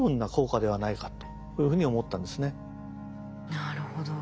なるほど。